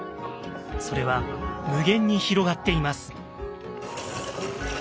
それは無限に広がっています。